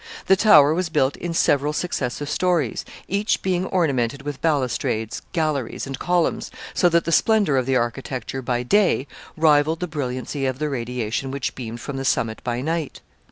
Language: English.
The tower was built in several successive stories, each being ornamented with balustrades, galleries, and columns, so that the splendor of the architecture by day rivaled the brilliancy of the radiation which beamed from the summit by night.